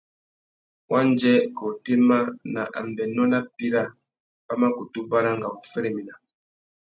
Wandjê, kā otémá, nà ambénô nà píra wa mà kutu baranga u wu féréména.